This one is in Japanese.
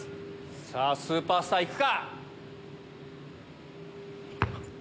さあ、スーパースター、いくか。